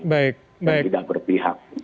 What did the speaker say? dan tidak berpihak